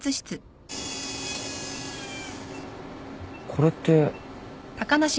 これって。